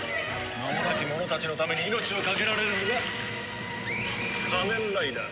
名もなき者たちのために命をかけられるのが仮面ライダー。